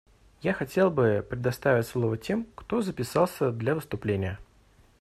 Я хотел бы предоставить слово тем, кто записался для выступления.